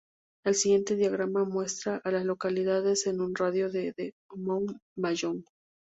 El siguiente diagrama muestra a las localidades en un radio de de Mound Bayou.